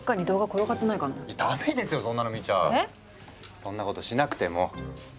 そんなことしなくてもほら。